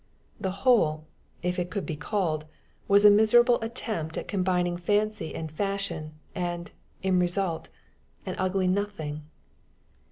The whole, if whole it could be called, was a miserable attempt at combining fancy and fashion, and, in result, an ugly nothing.